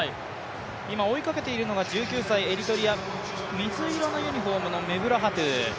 今、追いかけているのが１９歳のエリトリア、水色のユニフォームのメブラハトゥ。